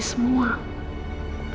dan sembuhnya hal ini